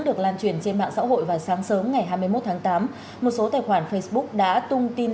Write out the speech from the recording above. được lan truyền trên mạng xã hội vào sáng sớm ngày hai mươi một tháng tám một số tài khoản facebook đã tung tin